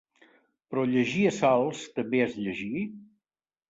Però llegir a salts, també és llegir?